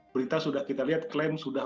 berita sudah kita lihat klaim sudah